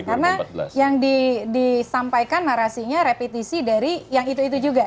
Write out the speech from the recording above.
karena yang disampaikan narasinya repetisi dari yang itu itu juga